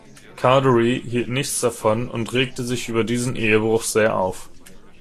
Cowdery hielt nichts davon und regte sich über diesen „Ehebruch“ sehr auf.